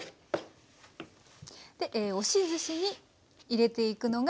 押しずしに入れていくのが。